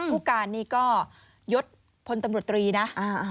ผู้การนี่ก็ยดพลตำรวจตรีนะ